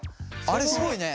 あれすごいね。